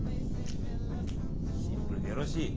シンプルでよろしい。